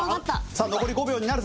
さあ残り５秒になるぞ。